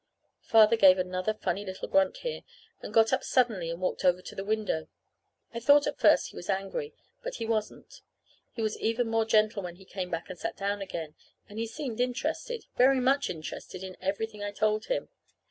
Father gave another funny little grunt here, and got up suddenly and walked over to the window. I thought at first he was angry; but he wasn't. He was even more gentle when he came back and sat down again, and he seemed interested, very much interested in everything I told him.